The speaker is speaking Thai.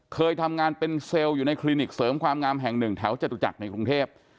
เคยทำงานเป็นเซลล์อยู่ในคลินิกเสริมความงามแห่งหนึ่งแถวจตุจักรในกรุงเทพ